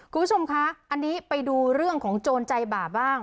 คุณผู้ชมคะอันนี้ไปดูเรื่องของโจรใจบ่าบ้าง